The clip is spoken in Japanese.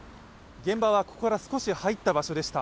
現場はここから少し入った場所でした。